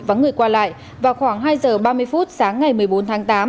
vắng người qua lại vào khoảng hai giờ ba mươi phút sáng ngày một mươi bốn tháng tám